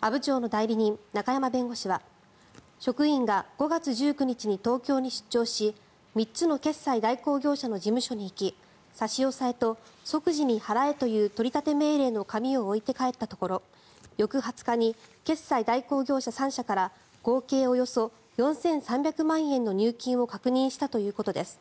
阿武町の代理人、中山弁護士は職員が５月１９日に東京に出張し３つの決済代行業者の事務所に行き差し押さえと即時に払えという取り立て命令の紙を置いて帰ったところ翌２０日に決済代行業者３社から合計およそ４３００万円の入金を確認したということです。